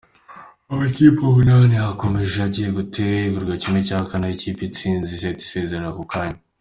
Amakipe umunani yakomeje agiye gutegura imikino ya ¼ aho ikipe itsinzwe ihita isezererwa ako kanya.